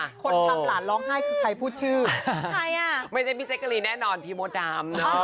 คนทำหลานร้องไห้คือใครพูดชื่อใครอ่ะไม่ใช่พี่แจ๊กกะรีนแน่นอนพี่มดดำ